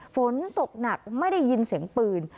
ฝนตกหนักไม่ได้ยินเสียงปืน